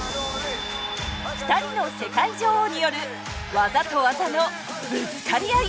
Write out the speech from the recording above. ２人の世界女王による技と技のぶつかり合い。